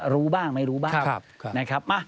รู้บ้างไม่รู้บ้าง